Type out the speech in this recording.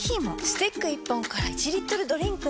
スティック１本から１リットルドリンクに！